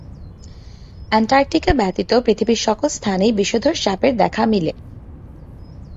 Antarctica ব্যতীত পৃথিবীর সকল স্থানেই বিষধর সাপের দেখা মিলে।